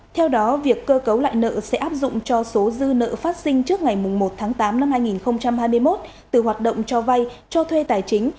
theo đó việc cơ cấu lại nợ sẽ áp dụng cho số dư nợ phát sinh trước ngày một tháng tám năm hai nghìn hai mươi một từ hoạt động cho vay cho thuê tài chính